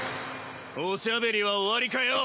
おしゃべりは終わりかよ？